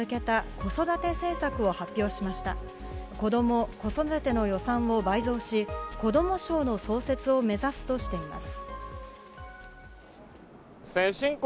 子ども・子育ての予算を倍増しこども省の創設を目指すとしています。